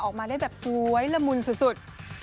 ออกมาได้แบบสวยละมุนสุด